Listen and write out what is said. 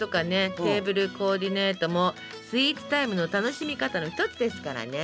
テーブルコーディネートもスイーツタイムの楽しみ方の一つですからねえ。